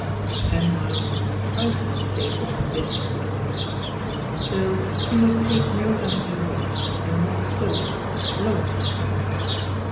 Ten miles would be a triee on a day such as this, he decided. Still he would take no undue risks and walk slowly, loiter m fact.